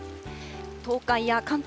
東海や関東